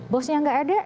bosnya nggak ada